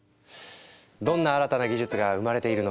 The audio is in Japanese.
どんな新たな技術が生まれているのか？